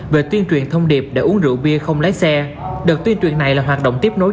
về tuyên truyền thông điệp để uống rượu bia không lái xe đợt tuyên truyền này là hoạt động tiếp nối